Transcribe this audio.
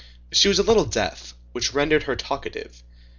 She was a little deaf, which rendered her talkative.